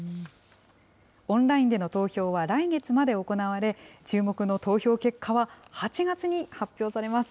オンラインでの投票は来月まで行われ、注目の投票結果は８月に発表されます。